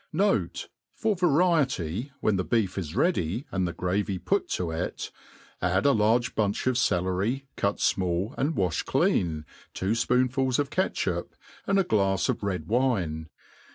Note, for variety, when the beef is ready, and the gravy put to it, add a large bunch of celery^ cut fmall and walhed clean, two fpoonfuls of catchup, and a glafs of red wine.